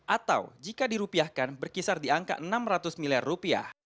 atau jika dirupiahkan berkisar di angka enam ratus miliar rupiah